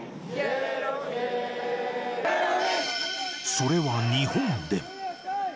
それは日本でも。